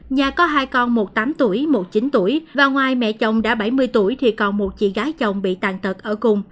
nhà có hai con một mươi tám tuổi một mươi chín tuổi và ngoài mẹ chồng đã bảy mươi tuổi thì còn một chị gái chồng bị tàn tật ở cùng